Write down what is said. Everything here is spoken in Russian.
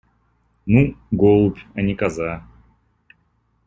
Ну, голубь, а не коза.